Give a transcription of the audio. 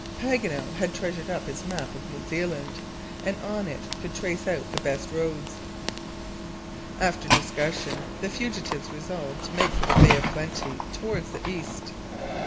Paganel had treasured up his map of New Zealand, and on it could trace out the best roads. After discussion, the fugitives resolved to make for the Bay of Plenty, towards the east.